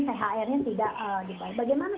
thr nya tidak dipakai bagaimana